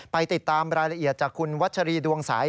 ไปติดตามรายละเอียดจากคุณวัชรีดวงใส